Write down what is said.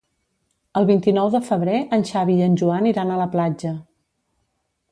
El vint-i-nou de febrer en Xavi i en Joan iran a la platja.